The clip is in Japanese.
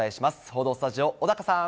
報道スタジオ、小高さん。